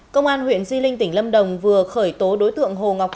công an huyện di linh tỉnh lâm đồng vừa khởi tố đối tượng hồ ngọc